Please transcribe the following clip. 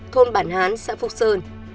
thôn bản hán xã phúc sơn